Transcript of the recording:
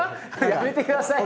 やめてくださいよ。